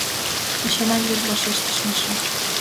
— А чынак вет, — вашештыш Миша.